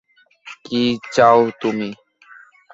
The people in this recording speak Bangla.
কি চাও তুমি?